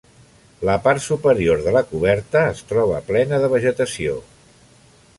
La part superior de la coberta, es troba plena de vegetació.